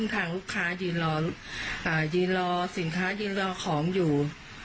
ทางลูกค้ายืนรอสินค้ายืนรอของอยู่